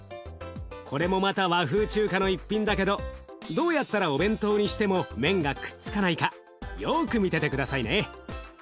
これもまた和風中華の一品だけどどうやったらお弁当にしても麺がくっつかないかよく見てて下さいね。